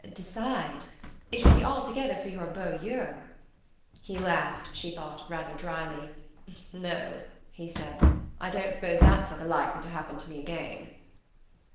decide... it would be altogether for your beaux yeux...." He laughed, she thought, rather drily. "No," he said, "I don't suppose that's ever likely to happen to me again."